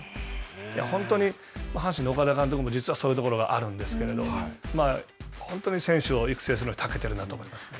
本当に阪神の岡田監督も実はそういうところがあるんですけれど、本当に選手を育成するのにたけているなと思いますね。